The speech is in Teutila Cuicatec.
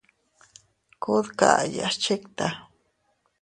Kuu dkayas chikta.